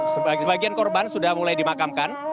sebagian korban sudah mulai dimakamkan